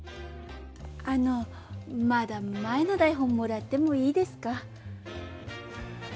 あのまだ前の台本もらってもいいですか？